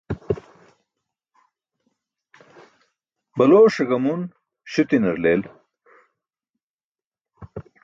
Balooṣe gamun śutinar leel.